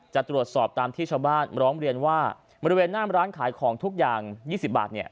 จะตรวจสอบตามที่ชาวบ้านร้องเรียนว่าบริเวณหน้ามร้านขายของทุกอย่าง๒๐บาทเนี่ย